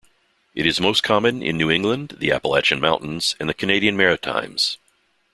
It is most common in New England, the Appalachian Mountains, and the Canadian Maritimes.